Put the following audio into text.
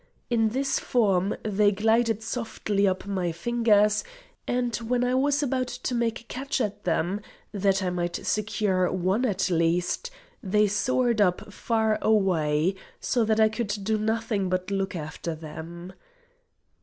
In this form they glided softly up my fingers, and when I was about to make a catch at them, that I might secure one at least, they soared up far away, so that I could do nothing but look after them.